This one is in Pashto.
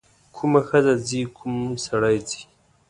کومه ښځه ځي کوم سړی ځي.